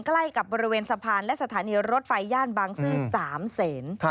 ใกล้กับบริเวณสะพานและสถานีรถไฟย่านบางซื่อ๓เสน